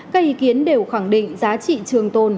các ý kiến đều khẳng định giá trị trường tồn